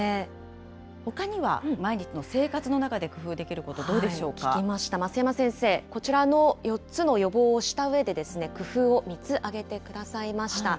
ほかには、毎日の生活の中で聞きました、増山先生、こちらの４つの予防をしたうえで、工夫を３つ挙げてくださいました。